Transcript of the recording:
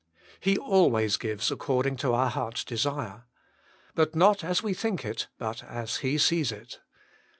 He always gives us according to our heart s desire. But not as we think it, but as He sees it.